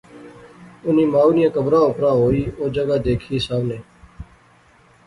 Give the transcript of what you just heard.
انی مائو نیاں قبرا اپرا ہوئی او جگہ دیکھی ساونے